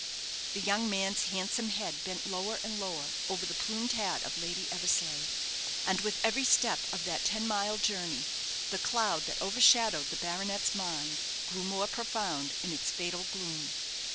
The young man's handsome head bent lower and lower over the plumed hat of Lady Eversleigh; and with every step of that ten mile journey, the cloud that overshadowed the baronet's mind grew more profound in its fatal gloom.